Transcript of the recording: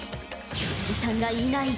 千鶴さんがいない。